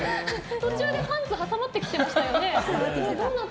途中でパンツ挟まってきていましたよね。